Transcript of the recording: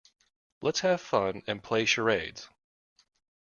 Let's have fun and play charades.